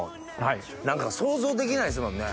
何か想像できないですもんね。